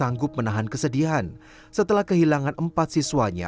sanggup menahan kesedihan setelah kehilangan empat siswanya